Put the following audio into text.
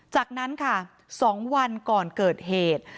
จากนั้นค่ะ๒วันก่อนเกิดเหตุ